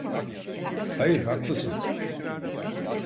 Hayır, haklısın.